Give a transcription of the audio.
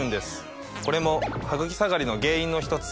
これもハグキ下がりの原因の一つ。